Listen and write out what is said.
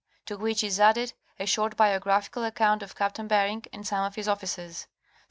To which is added a short biographical account of Captain Bering and some of his officers. St.